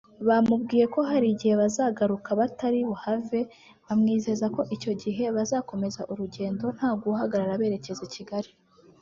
Bamubwiye ko Hari igihe bazagaruka batari buhave bamwizeza ko icyo gihe bazakomeza urugendo ntaguhagarara berekeza Kigali